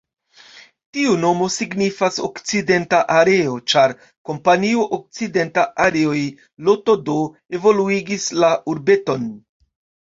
Tiu nomo signifas: 'okcidenta areo', ĉar kompanio "Okcidenta Areoj Ltd" evoluigis la urbeton.